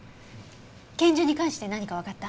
拳銃に関して何かわかった？